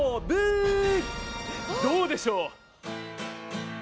どうでしょう？